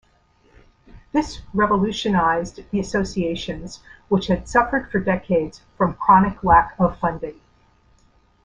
This revolutionized the associations which had suffered for decades from chronic lack of funding.